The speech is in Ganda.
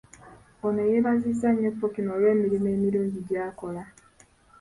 Ono yeebazizza nnyo Ppookino olw'emirimu emirungi gy'akola.